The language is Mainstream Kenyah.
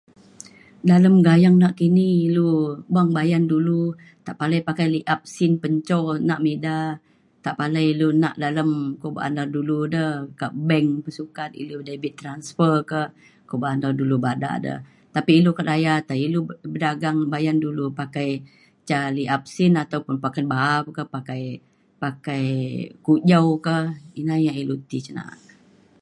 Dalem gayeng na kini ilu beng bayan dulu tepalai pakai liap sin pen jo nak ma ida tepalai ilu na dalem kua ba'an dulu dai ka bank ilu sukat debit transfer ke kuak ba'an dulu bada de tapi ilu ka daya te ilu bedagang bayan dulu pakai ca liap sen ataupun pakai ba'a ka pakai pakai kujau ka ina ya ilu ti cin naak.